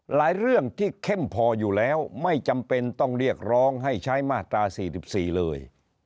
เรื่องที่เข้มพออยู่แล้วไม่จำเป็นต้องเรียกร้องให้ใช้มาตรา๔๔เลย